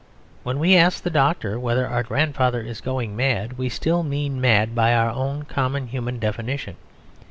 When we ask the doctor whether our grandfather is going mad, we still mean mad by our own common human definition.